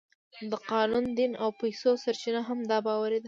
د قانون، دین او پیسو سرچینه هم دا باور دی.